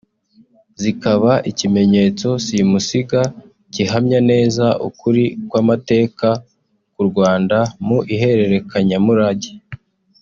zikanaba ikimenyetso simusiga gihamya neza ukuri kw’amateka y’u Rwanda mu iherekanyamurage